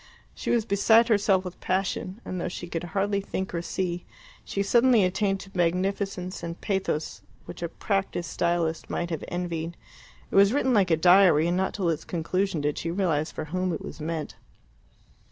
She was beside herself with passion, and though she could hardly think or see, she suddenly attained to magnificence and pathos which a practised stylist might have envied. It was written like a diary, and not till its conclusion did she realize for whom it was meant.